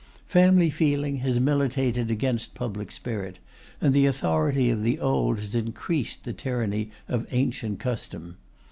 Family feeling has militated against public spirit, and the authority of the old has increased the tyranny of ancient custom.